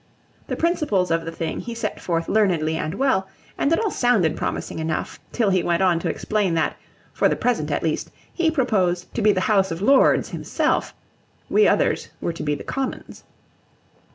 The principles of the thing he set forth learnedly and well, and it all sounded promising enough, till he went on to explain that, for the present at least, he proposed to be the House of Lords himself. We others were to be the Commons.